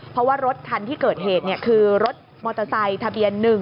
เพราะว่ารถคันที่เกิดเหตุคือรถมอเตอร์ไซค์ทะเบียน๑